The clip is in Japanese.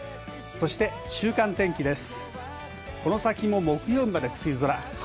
そして、週間天気です。